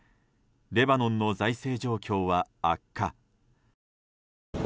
レバノンの財政状況は悪化。